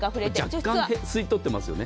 若干吸い取ってますよね。